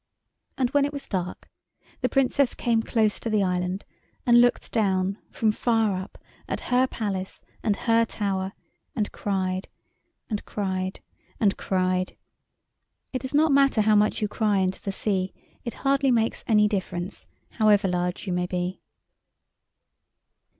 And when it was dark the Princess came close to the island, and looked down, from far up, at her palace and her tower and cried, and cried, and cried. It does not matter how much you cry into the sea, it hardly makes any difference, however large you may be.